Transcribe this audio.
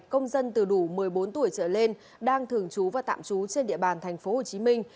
công dân từ đủ một mươi bốn tuổi trở lên đang thường trú và tạm trú trên địa bàn thành phố hồ chí minh